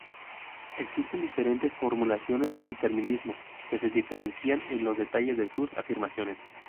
Existen diferentes formulaciones de determinismo, que se diferencian en los detalles de sus afirmaciones.